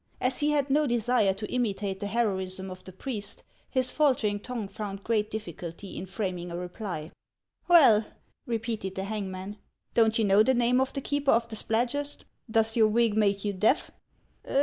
As he had no desire to imitate the heroism of the priest, his faltering tongue found great difficulty in framing a reply. " Well !" repeated the hangman, " don't you know the name of the keeper of the Spladgest ? Does your wig make you deaf?"